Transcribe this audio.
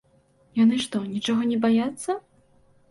Яны што, нічога не баяцца?